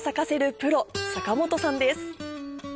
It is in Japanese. プロ坂本さんです